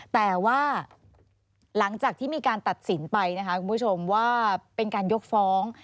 แต่ว่าหลังจากที่มีการตัดสินไปนะคะคุณผู้ชมว่าเป็นการยกฟ้อง